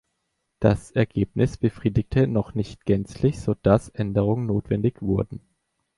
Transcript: Das Ergebnis befriedigte noch nicht gänzlich, sodass Änderungen notwendig wurden.